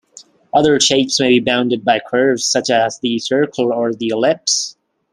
Other shapes may be bounded by curves such as the circle or the ellipse.